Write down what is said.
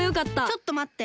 ちょっとまって。